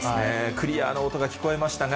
クリアな音が聞こえましたが。